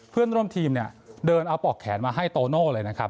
เพื่อนร่วมทีมเนี่ยเดินเอาปอกแขนมาให้โตโน่เลยนะครับ